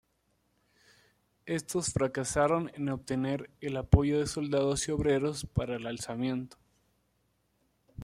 Estos fracasaron en obtener el apoyo de soldados y obreros para el alzamiento.